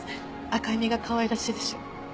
赤い実がかわいらしいでしょう？